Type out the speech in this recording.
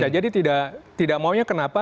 jadi tidak maunya kenapa